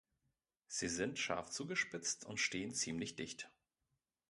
Sie sind scharf zugespitzt und stehen ziemlich dicht.